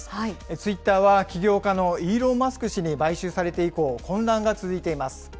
ツイッターは、起業家のイーロン・マスク氏に買収されて以降、混乱が続いています。